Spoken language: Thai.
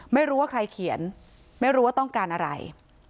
ไม่รู้ว่าใครเขียนไม่รู้ว่าต้องการอะไร